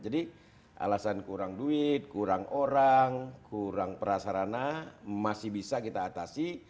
jadi alasan kurang duit kurang orang kurang perasarana masih bisa kita atasi